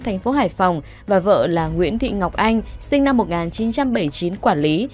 thành phố hải phòng và vợ là nguyễn thị ngọc anh sinh năm một nghìn chín trăm bảy mươi chín quản lý